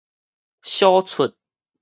小齣